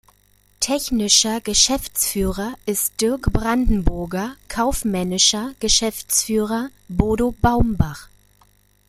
Technischer Geschäftsführer ist Dirk Brandenburger, kaufmännischer Geschäftsführer Bodo Baumbach.